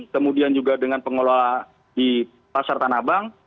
kemudian juga dengan pengelola di pasar tanah abang